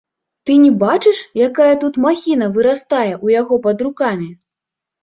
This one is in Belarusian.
Ты не бачыш, якая тут махіна вырастае ў яго пад рукамі?